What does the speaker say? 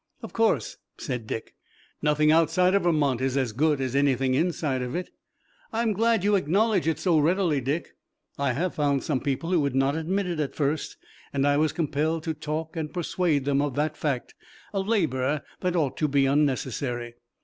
"Of course," said Dick. "Nothing outside of Vermont is as good as anything inside of it." "I'm glad you acknowledge it so readily, Dick. I have found some people who would not admit it at first, and I was compelled to talk and persuade them of the fact, a labor that ought to be unnecessary.